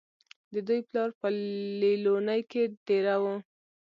د دوي پلار پۀ ليلونۍ کښې دېره وو